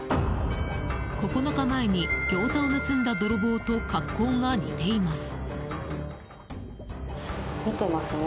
９日前にギョーザを盗んだ泥棒と格好が似ています。